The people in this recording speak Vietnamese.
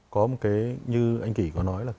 có một cái như anh kỳ có nói là